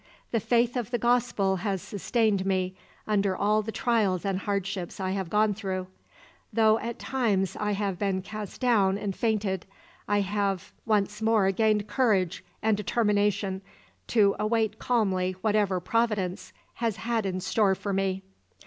"The faith of the Gospel has sustained me under all the trials and hardships I have gone through. Though at times I have been cast down and fainted, I have once more gained courage and determination to await calmly whatever Providence has had in store for me."